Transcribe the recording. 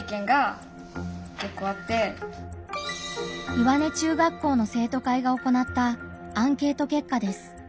岩根中学校の生徒会が行ったアンケート結果です。